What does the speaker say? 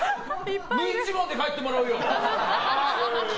無一文で帰ってもらうよ。